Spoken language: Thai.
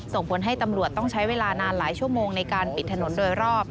ส่งผลให้ตำรวจต้องใช้เวลานานหลายชั่วโมงในการปิดถนนโดยรอบ